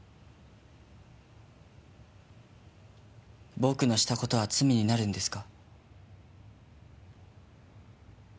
僕のした事は罪になるんですか？